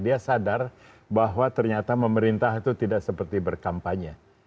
dia sadar bahwa ternyata pemerintah itu tidak seperti berkampanye